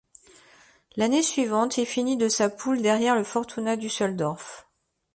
L’année suivante, il finit de sa poule derrière le Fortuna Düsseldorf.